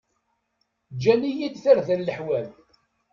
Ǧǧan-iyi-d tarda leḥwal.